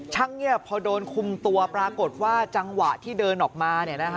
เงียบพอโดนคุมตัวปรากฏว่าจังหวะที่เดินออกมา